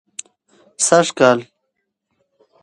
سږ کال